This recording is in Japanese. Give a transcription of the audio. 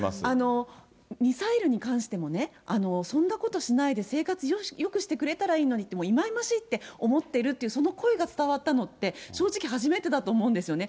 ミサイルに関してもね、そんなことしないで、生活よくしてくれたらいいのにって、いまいましいって思ってるっていう、その声が伝わったのって、正直初めてだと思うんですよね。